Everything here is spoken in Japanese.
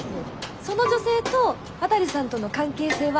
その女性と渡さんとの関係性は？